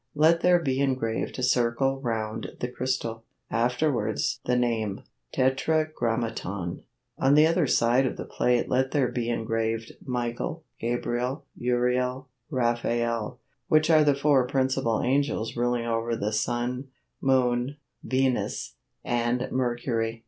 Let there be engraved a circle round the crystal; afterwards the name: Tetragrammaton. On the other side of the plate let there be engraved, Michael, Gabriel, Uriel, Raphael, which are the four principal angels ruling over the Sun, Moon, Venus, and Mercury.